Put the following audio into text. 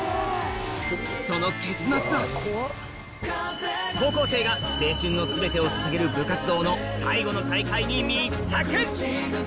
その結末は高校生が青春の全てを捧げる部活動の最後の大会に密着！